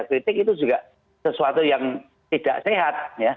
kritik itu juga sesuatu yang tidak sehat